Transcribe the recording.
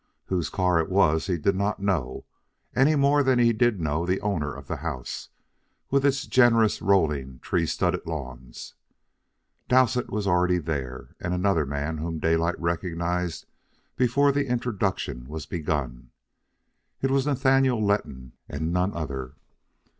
Whose car it was he did not know any more than did he know the owner of the house, with its generous, rolling, tree studded lawns. Dowsett was already there, and another man whom Daylight recognized before the introduction was begun. It was Nathaniel Letton, and none other.